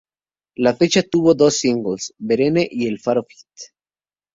La Flecha tuvo dos singles: Verne y el faro feat.